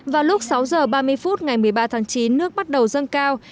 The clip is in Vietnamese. vào lúc sáu h ba mươi phút ngày một mươi ba tháng chín nước bắt đầu dâng cao